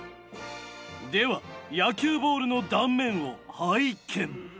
では野球ボールの断面を拝見。